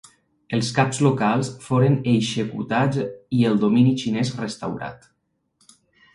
Els caps locals foren executats i el domini xinès restaurat.